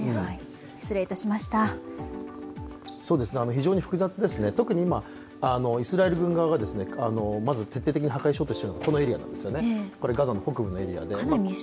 非常に複雑ですね、特に今、イスラエル軍側がまず徹底的に破壊しようとしているのはこのガザ北部のエリアです。